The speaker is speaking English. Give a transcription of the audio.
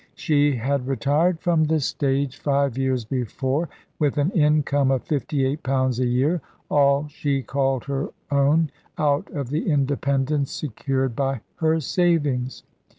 She had retired from the stage five years before, with an income of fifty eight pounds a year, all she called her own out of the independence secured by her savings.